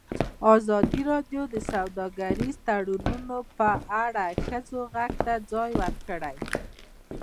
ازادي راډیو د سوداګریز تړونونه په اړه د ښځو غږ ته ځای ورکړی.